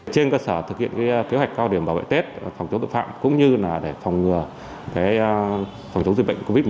trên cơ sở thực hiện kế hoạch cao điểm bảo vệ tết phòng chống tội phạm cũng như để phòng ngừa phòng chống dịch bệnh covid một mươi chín